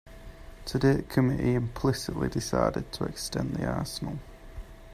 Today the committee implicitly decided to extend the arsenal.